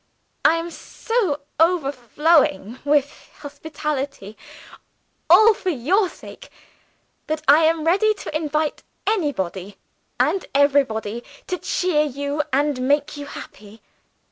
I am so overflowing with hospitality (all for your sake) that I am ready to invite anybody, and everybody, to cheer you and make you happy.